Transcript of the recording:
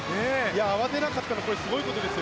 慌てなかったのはすごいことですよ。